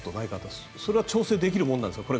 それは調整できるものなんですか？